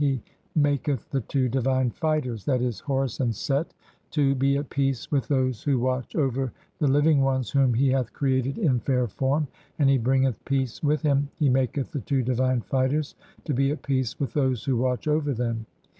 "He maketh the two divine fighters (J. e., Horus and Set) to "be at peace with those who watch over the living ones whom "he hath created in fair form, and he bringeth peace [with him] ; "he maketh the two divine fighters to be at peace with those "who watch over (9) them.